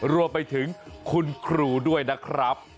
รวมไปถึงคุณครูด้วยนะครับ